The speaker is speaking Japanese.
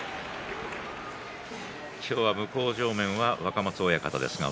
今日の向正面は若松親方です。